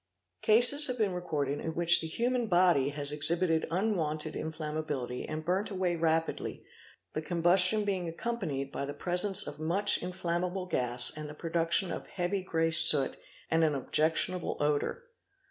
Cases have been recorded in which the human body has exhibited unwonted inflam mability and burnt away rapidly, the combustion being accompanied by the presence of much inflammable gas and the production of heavy grey soot and an objectionable odour